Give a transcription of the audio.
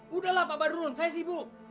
sudahlah pak badurun saya sibuk